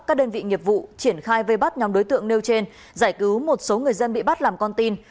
các đơn vị nghiệp vụ triển khai vây bắt nhóm đối tượng nêu trên giải cứu một số người dân bị bắt làm con tin